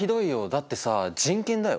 だってさ人権だよ。